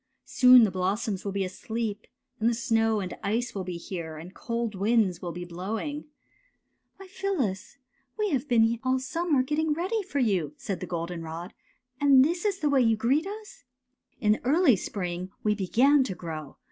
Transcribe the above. Soon the blossoms will be asleep, and the snow and ice will be here and cold winds will be blowing." 211 212 GOLDENROD AND ASTER " Why, Phyllis, we have been all summer getting ready for you,'' said the goldenrod. " And this is the way you greet us! '* In the early spring w^e began to grow.